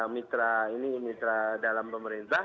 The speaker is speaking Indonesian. mitra ini mitra dalam pemerintah